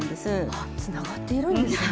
あっつながっているんですね。